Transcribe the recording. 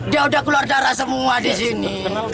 dia udah keluar darah semua disini